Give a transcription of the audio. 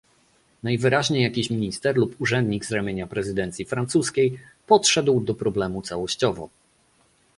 Najwyraźniej jakiś minister lub urzędnik z ramienia prezydencji francuskiej podszedł do problemu całościowo